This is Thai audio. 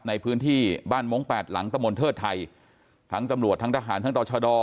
ในพื้นที่บ้านมงค์แปดหลังตะมนต์เทิดไทยทั้งตำรวจทั้งทหารทั้งต่อชะดอ